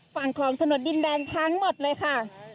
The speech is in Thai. ฝั่งของถนนดินแดงทั้งหมดเลยค่ะ